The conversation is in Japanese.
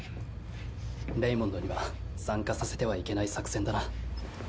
レイモンドには参加させてはいけない作戦だな。